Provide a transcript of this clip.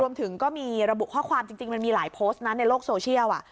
รวมถึงก็มีระบุข้อความจริงมันมีหลายโพสต์นะในโลกโซเชียล